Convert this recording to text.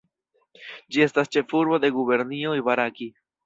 Ĝi estas ĉefurbo de gubernio Ibaraki.